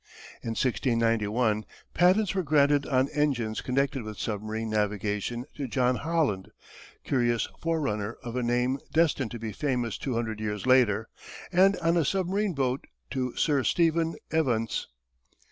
In 1691, patents were granted on engines connected with submarine navigation to John Holland curious forerunner of a name destined to be famous two hundred years later and on a submarine boat to Sir Stephen Evance.